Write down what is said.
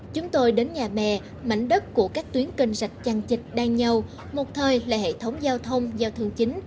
chúng tôi đến nhà mẹ mảnh đất của các tuyến kênh rạch chăn chịch đan nhau một thời là hệ thống giao thông giao thương chính